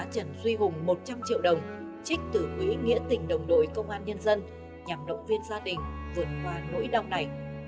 trần duy hùng một trăm linh triệu đồng trích từ quỹ nghĩa tình đồng đội công an nhân dân nhằm động viên gia đình vượt qua nỗi đau này